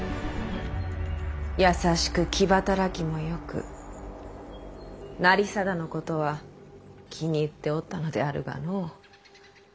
優しく気働きもよく成貞のことは気に入っておったのであるがの。